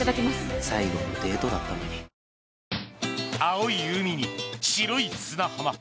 青い海に白い砂浜。